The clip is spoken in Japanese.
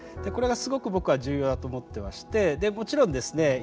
これがすごく僕は重要だと思ってましてもちろんですね